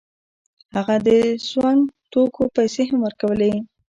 هغه د سونګ توکو پیسې هم ورکولې.